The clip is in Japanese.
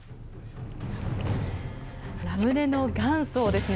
ラムネの元祖ですね